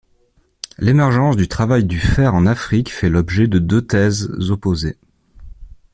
L'émergence du travail du fer en Afrique fait l'objet de deux thèses opposées.